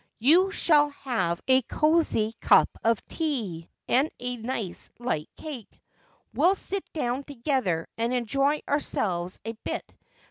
you shall have a cosy cup of tea, and a nice light cake. We'll sit down together, and enjoy ourselves a bit.